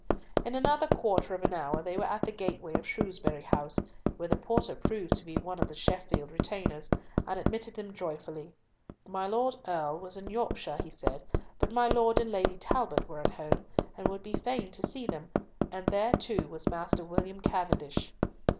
In another quarter of an hour they were at the gateway of Shrewsbury House, where the porter proved to be one of the Sheffield retainers, and admitted them joyfully. My Lord Earl was in Yorkshire, he said, but my Lord and Lady Talbot were at home, and would be fain to see them, and there too was Master William Cavendish.